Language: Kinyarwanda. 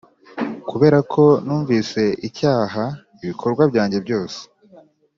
kuberako numvise icyaha ibikorwa byanjye byose ,,